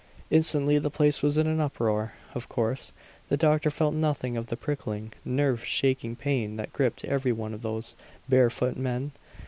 Instantly the place was in an uproar. Of course, the doctor felt nothing of the prickling, nerve shaking pain that gripped every one of those barefoot men.